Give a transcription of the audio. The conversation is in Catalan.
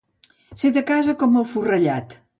Ser de casa, com el forrellat.